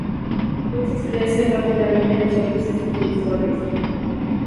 Desde entonces crece rápidamente en servicios y usuarios.